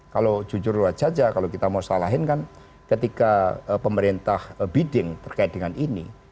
kalau jujurlah jadja kalau kita mau salahkan kan ketika pemerintah biding terkait dengan ini